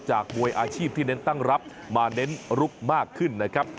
มวยอาชีพที่เน้นตั้งรับมาเน้นลุกมากขึ้นนะครับ